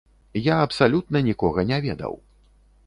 Я абсалютна нікога не ведаў.